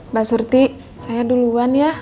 mbak surti saya duluan ya